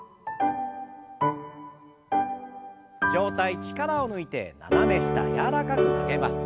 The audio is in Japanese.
上体力を抜いて斜め下柔らかく曲げます。